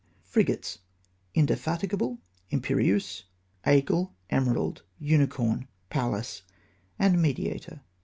Frigates : Indefatigable, Imperieuse, Aigle, Emerald, Unicorn, Pallas, and Mediator.